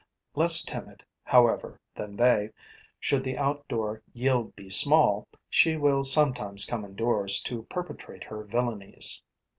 Less timid, however, than they, should the outdoor yield be small, she will sometimes come indoors to perpetrate her villainies.